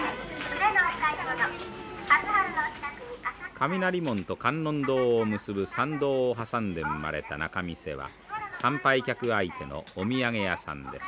雷門と観音堂を結ぶ参道を挟んで生まれた仲見世は参拝客相手のお土産屋さんです。